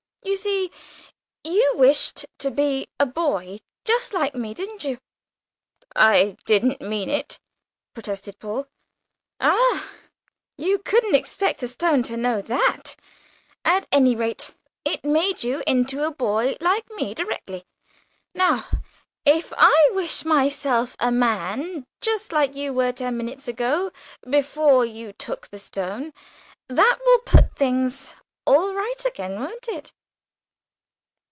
You see, you wished to be a boy just like me, didn't you?" "I didn't mean it," protested Paul. "Ah, you couldn't expect a stone to know that; at any rate, it made you into a boy like me directly. Now, if I wish myself a man just like you were ten minutes ago, before you took the stone, that will put things all right again, won't it?"